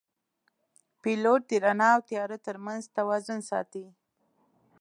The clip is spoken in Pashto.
پیلوټ د رڼا او تیاره ترمنځ توازن ساتي.